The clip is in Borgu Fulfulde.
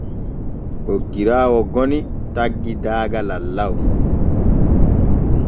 Oggiraawo goni taggi daaga lallaw.